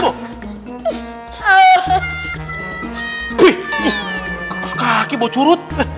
kekus kaki bau curut